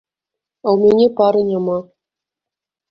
А ў мяне пары няма.